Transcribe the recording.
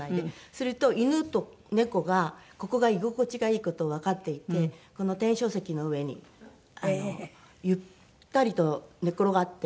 すると犬と猫がここが居心地がいい事をわかっていてこの天照石の上にゆったりと寝転がっているんですよね。